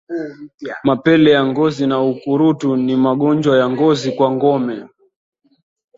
Mapele ya ngozi na ukurutu ni magonjwa ya ngozi kwa ngombe